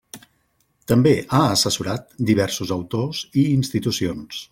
També ha assessorat diversos autors i institucions.